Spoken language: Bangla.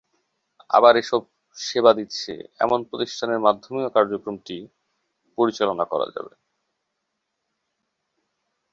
আবার এসব সেবা দিচ্ছে, এমন প্রতিষ্ঠানের মাধ্যমেও কার্যক্রমটি পরিচালনা করা যাবে।